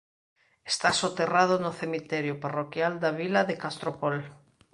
Está soterrado no cemiterio parroquial da vila de Castropol.